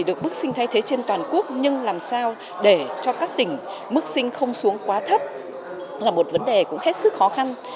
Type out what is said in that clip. được bức sinh thay thế trên toàn quốc nhưng làm sao để cho các tỉnh mức sinh không xuống quá thấp là một vấn đề cũng hết sức khó khăn